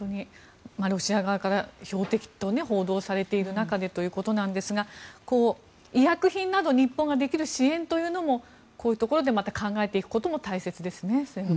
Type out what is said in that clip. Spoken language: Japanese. ロシア側から標的と報道されている中でということですが医薬品など日本ができる支援というのもこういうところでまた考えていくことも末延さん、大切ですね。